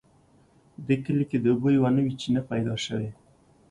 په دې کلي کې د اوبو یوه نوې چینه پیدا شوې